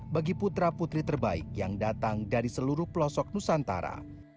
bagi putra putri terbaik yang datang dari seluruh pelosok nusantara